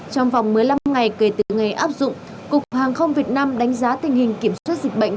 trong vòng một mươi năm ngày kể từ ngày áp dụng cục hàng không việt nam đánh giá tình hình kiểm soát dịch bệnh